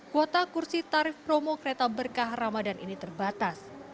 kuota kursi tarif promo kereta berkah ramadan ini terbatas